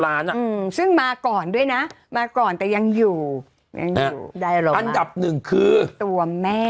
๒๐ล้านซึ่งมาก่อนด้วยนะมาก่อนแต่ยังอยู่อันดับ๑คือตัวแม่